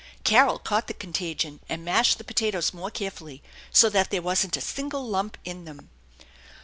Carol caught the contagion, and mashed THE ENCHANTED BARN S> the potatoes more carefully, so that there wasn't a single lump in them.